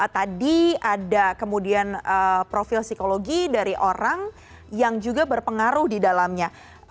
tadi ada kemudian profil psikologi dari orang yang juga berpengaruh di dalamnya